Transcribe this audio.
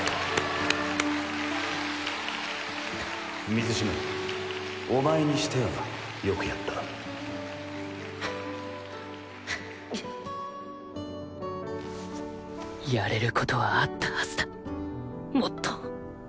水嶋お前にしてはよくやったハァハァやれることはあったはずだもっと